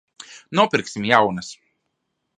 Nopirksim jaunas.